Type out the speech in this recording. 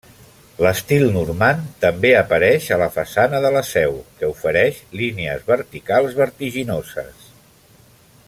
L'estil normand també apareix a la façana de la seu, que ofereix línies verticals vertiginoses.